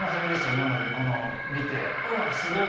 今まで見てうわっすごっ！